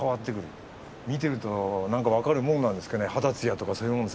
見ると分かるもんなんですかね。